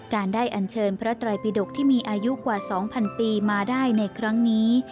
การได้อันเชิญพระไตรปิดกที่มีอายุกว่า๒๐๐๐ปีมาได้ในครั้งนี้